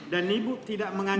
dan ibu tidak menganjur